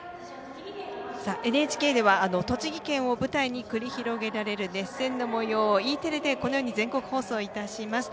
ＮＨＫでは栃木県を舞台に繰り広げられる熱戦のもようをＥテレで全国放送します。